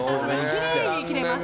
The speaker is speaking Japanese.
きれいに切れましたからね。